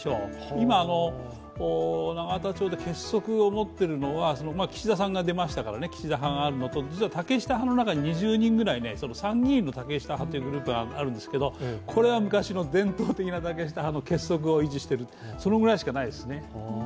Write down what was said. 今、永田町で結束を持っているのは岸田さんが出ましたから岸田派があるのと、実は竹下派の中に２０人ぐらい参議院の竹下派というグループがあるんですけど、これは昔の伝統的な竹下派の結束を維持してるそのぐらいしかないですね。